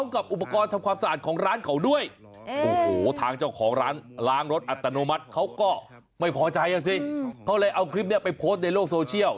เขาเลยเอาคลิปนี้ไปโพสต์ในโลกโซเชียล